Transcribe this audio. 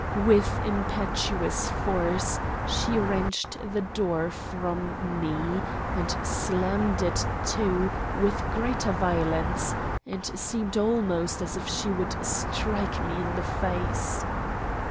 With impetuous force she wrenched the door from me, and slammed it to with great violence, and seemed almost as if she would strike me in the face.